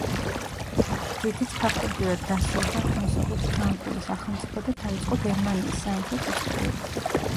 რითიც ფაქტობრივად დასრულდა აღმოსავლეთ ფრანკული სახელმწიფო და დაიწყო გერმანიის სამეფოს ისტორია.